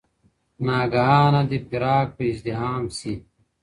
ناګهانه دي فراق په ازدحام سي